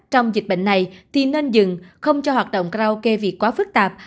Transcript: trong dịch bệnh này thì nên dừng không cho hoạt động karaoke việc quá phức tạp